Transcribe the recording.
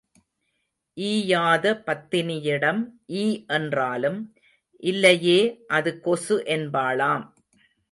ஈயாத பத்தினியிடம் ஈ என்றாலும், இல்லையே அது கொசு என்பாளாம்.